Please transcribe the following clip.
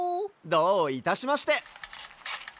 どういたしまして。